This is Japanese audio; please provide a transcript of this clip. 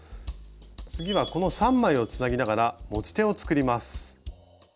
次はこの３枚をつなぎながら持ち手を作ります。